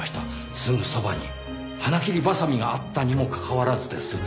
すぐそばに花切りバサミがあったにもかかわらずです。